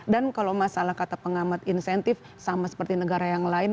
dan kalau masalah kata pengamat insentif sama seperti negara yang lain